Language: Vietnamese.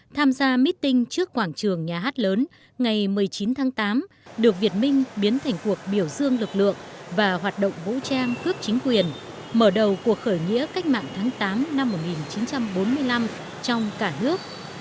tham gia meeting trước quảng trường nhà hát lớn ngày một mươi chín tháng tám được việt minh biến thành cuộc biểu dương lực lượng và hoạt động vũ trang cướp chính quyền mở đầu cuộc khởi nghĩa cách mạng tháng tám năm một nghìn chín trăm bốn mươi năm trong cả nước